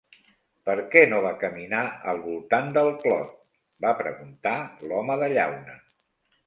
Per què no va caminar al voltant del clot? va preguntar l'home de llauna.